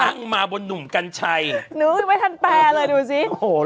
นั่งมาบนหนุ่มกันชัยหนูไม่ทันแปลเลยดูสิ